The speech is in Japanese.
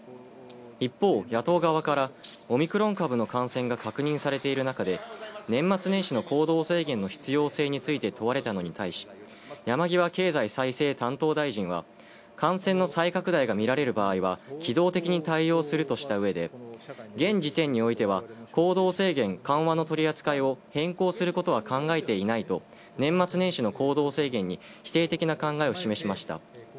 一方、野党側からオミクロン株の感染が確認されているなかで、年末年始の行動制限の必要性について問われたのに対し、山際経済再生担当大臣は感染の再拡大がみられる場合は機動的に対応するとしたうえで現時点においては行動制限緩和の取り扱いを変更することは考えていないと年末年始の行動制限に否定的な考えを示しました。